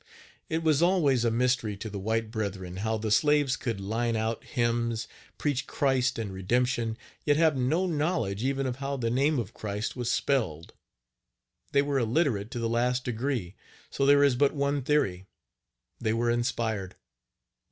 It was always a mystery to the white brethren how the slaves could line out hymns, preach Christ and redemption, yet have no knowledge even of how the name of Christ was spelled. They were illiterate to the last degree, so there is but one theory, they were inspired.